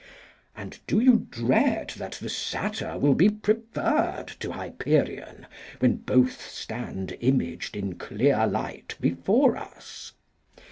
And do you dread that the Satyr will be preferred to Hyperion, when both stand imaged in clear light before us?